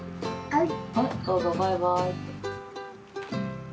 はい。